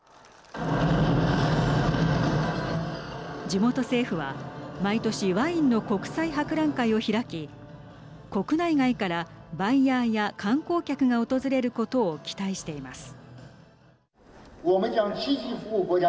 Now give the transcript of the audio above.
地元政府は毎年ワインの国際博覧会を開き国内外からバイヤーや観光客が訪れることを期待しています。